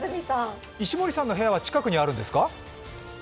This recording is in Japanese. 石森さんの部屋は近くにあるんですか？